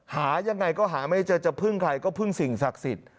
หายังไงก็หาไม่เจอจะพึ่งใครก็พึ่งสิ่งศักดิ์สิทธิ์